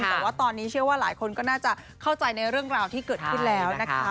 แต่ว่าตอนนี้เชื่อว่าหลายคนก็น่าจะเข้าใจในเรื่องราวที่เกิดขึ้นแล้วนะคะ